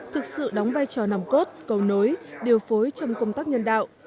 thực sự đóng vai trò nằm cốt cầu nối điều phối trong công tác nhân đạo